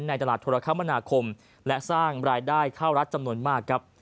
ในตลาดโทรคมนาคมและสร้างรายได้เข้ารัฐจำนวนมากครับ